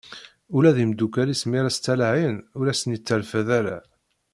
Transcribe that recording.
Ula d imddukal-is mi ara as-d-ttalaɛin ur asen-itterfad ara.